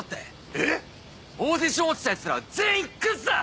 えっ⁉オーディション落ちたヤツらは全員クズだ！